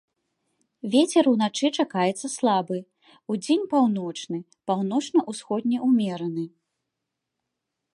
Вецер уначы чакаецца слабы, удзень паўночны, паўночна-ўсходні ўмераны.